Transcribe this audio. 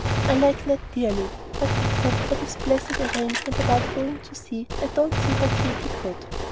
I like Ned dearly, but except for this blessed arrangement about going to sea, I don't see how Katy could."